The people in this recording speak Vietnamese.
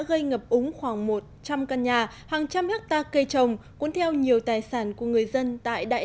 giảm ống khoảng một trăm linh căn nhà hàng trăm hecta cây trồng cuốn theo nhiều tài sản của người dân tại đại